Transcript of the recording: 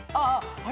あれ？